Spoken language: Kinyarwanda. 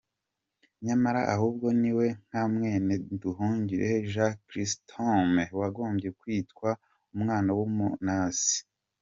Nyamara ahubwo niwe nka mwene Nduhungirehe Jean Chyrisostome wagombye kwitwa umwana w’unu Nazii.